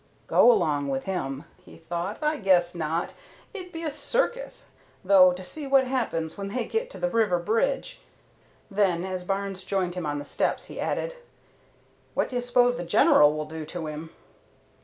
"Go along with him!" he thought. "I guess not. It'd be a circus, though, to see what happens when they get to the river bridge." Then, as Barnes joined him on the steps, he added, "What do you suppose the General will do to him?"